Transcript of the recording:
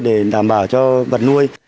để đảm bảo cho vật nuôi